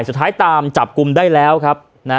สุดท้ายตามจับกลุ่มได้แล้วครับ